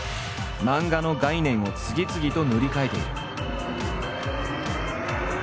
漫画の概念を次々と塗り替えている。